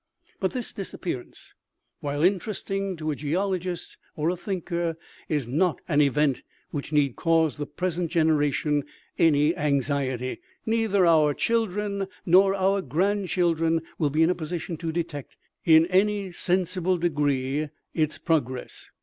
" But this disappearance, while interesting to a geologist or a thinker, is not an event which need cause the present generation any anxiety. Neither our children nor our grandchildren will be in a position to detect in any sensi ble degree its progress.